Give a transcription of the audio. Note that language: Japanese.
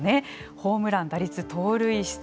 ホームラン打率盗塁出塁率